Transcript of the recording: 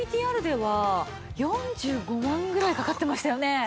ＶＴＲでは４５万ぐらいかかってましたよね？